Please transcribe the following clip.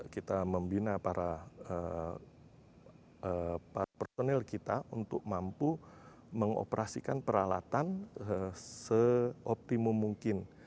kita membina para personil kita untuk mampu mengoperasikan peralatan seoptimum mungkin